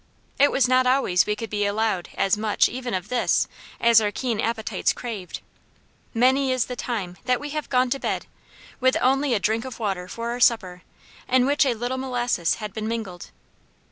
It was not always we could be allowed as much, even of this, as our keen appetites craved. Many is the time that we have gone to bed, with only a drink of water for our supper, in which a little molasses had been mingled.